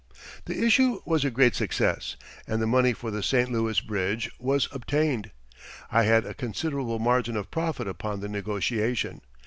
The issue was a great success, and the money for the St. Louis Bridge was obtained. I had a considerable margin of profit upon the negotiation.